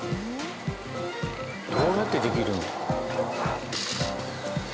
どうやってできるの？